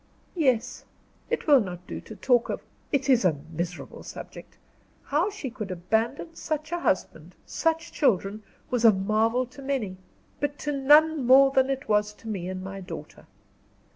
"Yes. It will not do to talk of it is a miserable subject. How she could abandon such a husband, such children, was a marvel to many; but to none more than it was to me and my daughter.